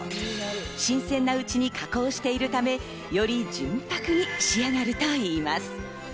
新鮮なうちに加工しているため、より純白に仕上がるといいます。